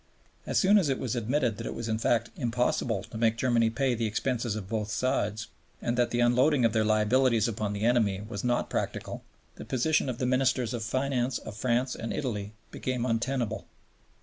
As soon as it was admitted that it was in fact impossible to make Germany pay the expenses of both sides, and that the unloading of their liabilities upon the enemy was not practicable, the position of the Ministers of Finance of France and Italy became untenable.